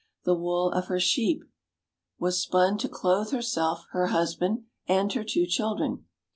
The wool of her sheep was spun to clothe herself, her husband, and her two children.